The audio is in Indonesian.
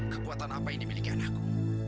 kekuatan apa yang dimiliki anakku